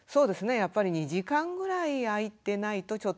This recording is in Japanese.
やっぱり２時間ぐらいあいてないとちょっと難しいかな。